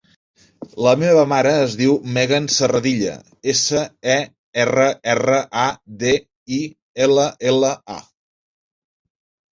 La meva mare es diu Megan Serradilla: essa, e, erra, erra, a, de, i, ela, ela, a.